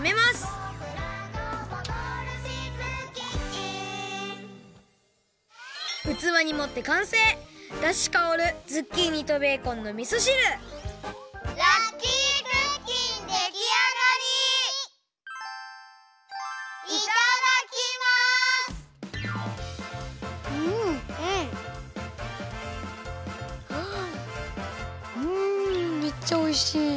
はうんめっちゃおいしい！